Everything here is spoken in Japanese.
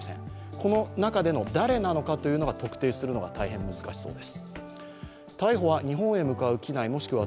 この中での誰なのかというのを特定するのが大変難しそうです。